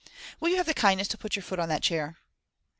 Will you have the kindness to put your foot on that chair